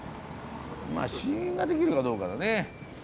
まあ試飲ができるかどうかだね。